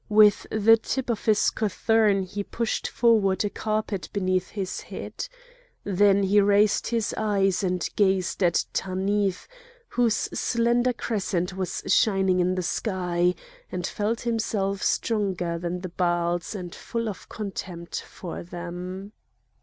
With the tip of his cothurn he pushed forward a carpet beneath his head. Then he raised his eyes and gazed at Tanith, whose slender crescent was shining in the sky, and felt himself stronger than the Baals and full of contempt for them.